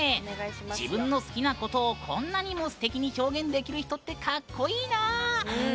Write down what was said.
自分の好きなことをこんなにもすてきに表現できる人ってかっこいいな！